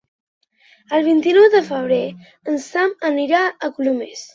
El vint-i-nou de febrer en Sam anirà a Colomers.